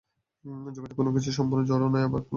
জগতের কোন কিছুই সম্পূর্ণ জড়ও নয়, আবার সম্পূর্ণ চিৎও নয়।